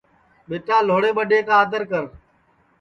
ٻیٹا لھوڑے ٻڈؔے آدر کر